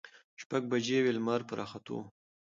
شپږ بجې وې، لمر په راختو و.